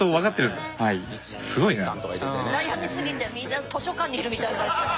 悩みすぎてみんな図書館にいるみたいになっちゃう。